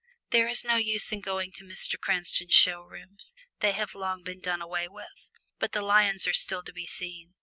There was no use in going to Mr. Cranston's show rooms they had long been done away with. But the lions are still to be seen.